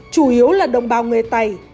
chủ yếu là đồng bào người tây